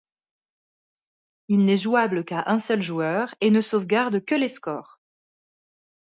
Il n'est jouable qu'à un seul joueur et ne sauvegarde que les scores.